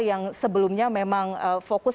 yang sebelumnya memang fokus